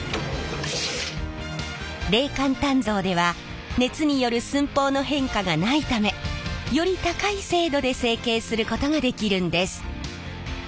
冷間鍛造では熱による寸法の変化がないためより高い精度で成形することができるんです。